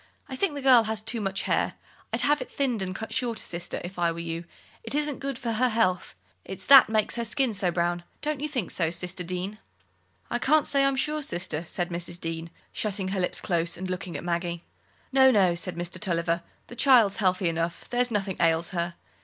I think the girl has too much hair. I'd have it thinned and cut shorter, sister, if I were you; it isn't good for her health. It's that makes her skin so brown, don't you think so, sister Deane?" "I can't say, I'm sure, sister," said Mrs. Deane, shutting her lips close and looking at Maggie. "No, no," said Mr. Tulliver, "the child's healthy enough: there's nothing ails her.